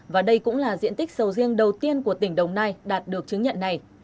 và đây cũng là diện tích sầu riêng đầu tiên của tỉnh đồng nai đạt được chứng nhận này